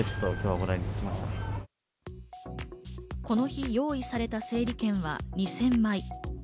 この日、用意された整理券は２０００枚。